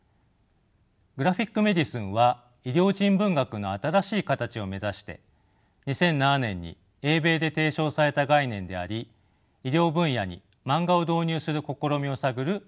グラフィック・メディスンは医療人文学の新しい形を目指して２００７年に英米で提唱された概念であり医療分野にマンガを導入する試みを探る研究領域です。